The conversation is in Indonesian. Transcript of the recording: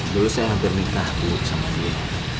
dulu saya hampir nikah dulu sama beliau